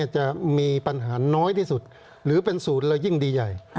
จะมีปัญหาน้อยที่สุดหรือเป็นศูนย์แล้วยิ่งดีใหญ่